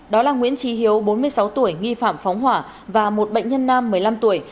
đó là nguyễn trí hiếu bốn mươi sáu tuổi nghi phạm phóng hỏa và một bệnh nhân nam một mươi năm tuổi